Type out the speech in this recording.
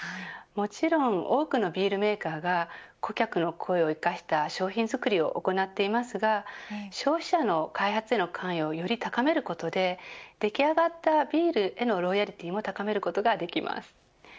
もちろん多くのビールメーカーが顧客の声を生かした商品作りを行っていますが消費者の開発への関与をより高めることで出来上がったビールへのロイヤルティーも高めることができます。